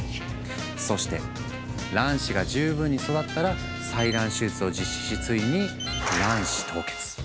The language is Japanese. そして卵子が十分に育ったら採卵手術を実施しついに卵子凍結。